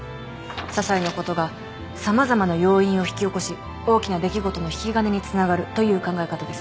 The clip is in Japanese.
ささいなことが様々な要因を引き起こし大きな出来事の引き金につながるという考え方です。